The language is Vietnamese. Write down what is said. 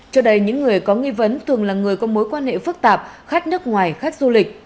trước đây những người có nghi vấn thường là người có mối quan hệ phức tạp khách nước ngoài khách du lịch